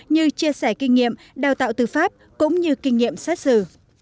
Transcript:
như chia sẻ kinh nghiệm đào tạo tư pháp cũng như kinh nghiệm xét xử